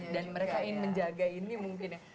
dan mereka ingin menjaga ini mungkin ya